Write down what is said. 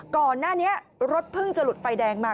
ก่อนหน้านี้รถเพิ่งจะหลุดไฟแดงมา